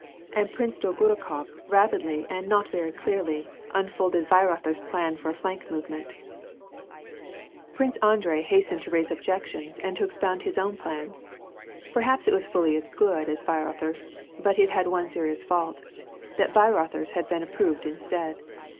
— And Prince Dolgorukof rapidly and not very clearly unfolded Weirother's plan for a flank movement. WAR AND PEACE, 315 Prince Andrei hastened to raise objections and to expound his own plan. Perhaps it was fully as good as Weirother's, but it had one serious fault — that Weirother's had been approved instead.